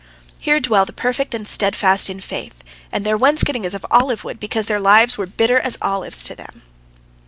Here dwell the perfect and the steadfast in faith, and their wainscoting is of olive wood, because their lives were bitter as olives to them.